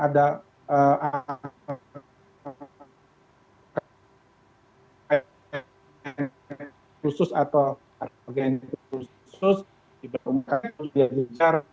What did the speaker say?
terus terus atau bagian khusus diberi umpamu biaya timnas